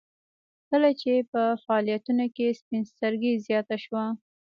کله چې په فعاليتونو کې سپين سترګي زياته شوه.